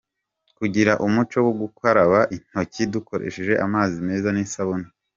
Kugira umuco wo gukaraba intoki dukoresheje amazi meza n’isabune; .